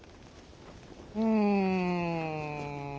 うん。